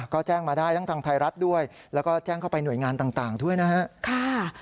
ก็แจ้งมาได้ทั้งทางไทยรัฐด้วยแล้วก็แจ้งเข้าไปหน่วยงานต่างด้วยนะครับ